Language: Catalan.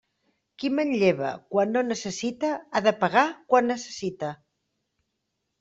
Qui manlleva quan no necessita, ha de pagar quan necessita.